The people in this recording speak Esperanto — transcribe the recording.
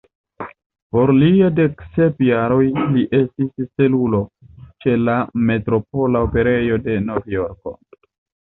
Por lia dek sep jaroj, li estis stelulo ĉe la Metropola Operejo de Novjorko.